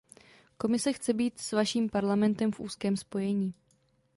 Komise chce být s vaším parlamentem v úzkém spojení.